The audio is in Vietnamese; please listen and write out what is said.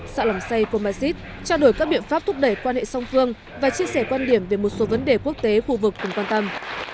xã lòng xây cô ma xít trao đổi các biện pháp thúc đẩy quan hệ song phương và chia sẻ quan điểm về một số vấn đề quốc tế khu vực cùng quan tâm